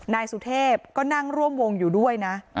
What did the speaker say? นายสุเทพก็นั่งร่วมวงอยู่ด้วยนะ